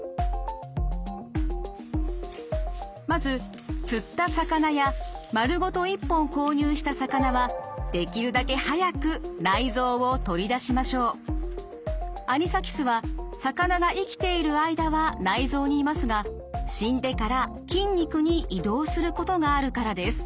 まず釣った魚や丸ごと一本購入した魚はアニサキスは魚が生きている間は内臓にいますが死んでから筋肉に移動することがあるからです。